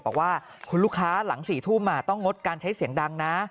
บอกว่าคุณลูกค้าหลัง๔ทุ่มต้องงดการใช้เสียงดังนะ